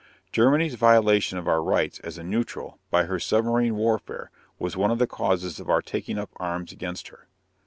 Germany's violation of our rights as a neutral by her submarine warfare was one of the causes of our taking up arms against her.